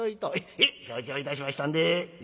「へえ承知をいたしましたんで」。